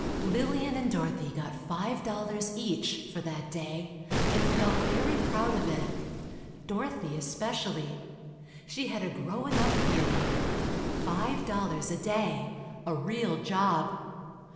Lillian and Dorothy got five dollars each, for that day, and felt very proud of it. Dorothy especially. She had a grown up feeling. Five dollars a day—a real job.